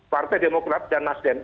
partai demokrat dan mas den